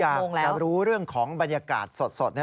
อยากจะรู้เรื่องของบรรยากาศสด